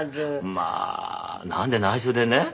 まあなんで内緒でね。